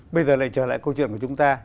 bây giờ lại trở lại câu chuyện của chúng ta